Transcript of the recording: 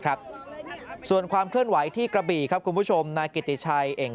ครับส่วนความเคลื่อนไหวที่กระบี่ครับคุณผู้ชมนายกิติชัยเอง